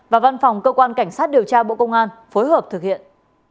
và văn phòng cơ quan cảnh sát điều tra bộ công an phối hợp thực hiện